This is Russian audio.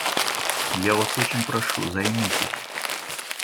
Я Вас очень прошу - займитесь.